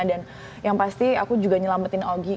dan yang pasti aku juga nyelamatin augie